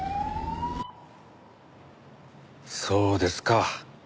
そうですか。